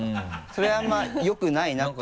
それあんまりよくないなと思って。